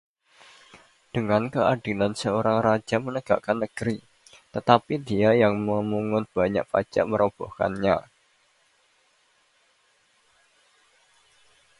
Dengan keadilan, seorang raja menegakkan negeri, tetapi dia yang memungut banyak pajak merobohkannya.